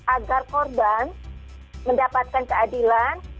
agar korban mendapatkan keadilan